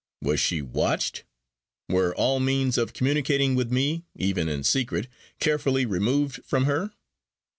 Was she watched? Were all means of communicating with me, even in secret, carefully removed from her?